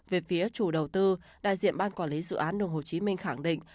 về phía chủ đầu tư đại diện ban quản lý dự án đường hồ chí minh khẳng định